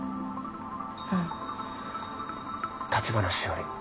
うん橘しおり